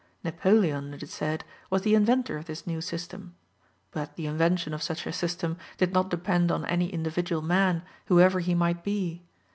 Napoleon, it is said, was the inventor of this new system; but the invention of such a system did not depend on any individual man, whoever he might be.